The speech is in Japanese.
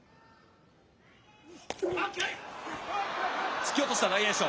突き落とした大栄翔。